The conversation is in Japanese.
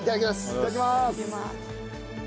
いただきます。